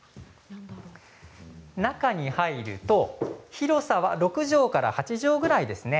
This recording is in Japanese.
中に入ると広さは６畳から８畳ぐらいですね。